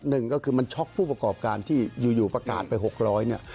หนึ่งก็คือมันช็อกผู้ประกอบการที่อยู่ประกาศไป๖๐๐เนี่ย